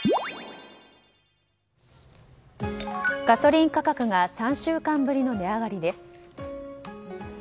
ガソリン価格が３週間ぶりの値上がりです。